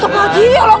masuk lagi ya allah